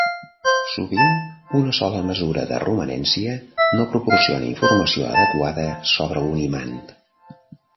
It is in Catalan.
Sovint una sola mesura de romanència no proporciona informació adequada sobre un imant.